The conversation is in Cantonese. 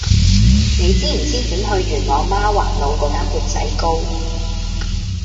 你知唔知點去元朗媽橫路嗰間缽仔糕